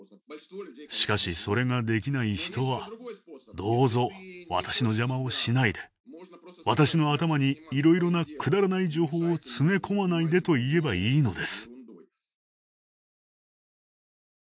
しかしそれができない人は「どうぞ私の邪魔をしないで私の頭にいろいろなくだらない情報を詰め込まないで」と言えばいいのです。